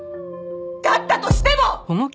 だったとしても！